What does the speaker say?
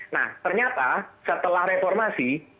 nah ternyata setelah reformasi